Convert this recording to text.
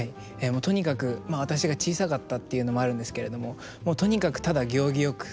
もうとにかくまあ私が小さかったっていうのもあるんですけれどもとにかくただ行儀よく。